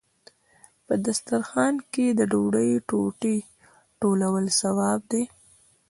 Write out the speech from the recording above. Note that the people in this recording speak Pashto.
په دسترخان کې د ډوډۍ ټوټې ټولول ثواب دی.